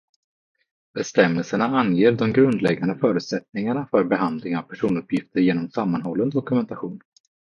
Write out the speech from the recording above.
Bestämmelserna anger de grundläggande förutsättningarna för behandling av personuppgifter genom sammanhållen dokumentation.